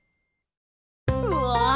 うわ！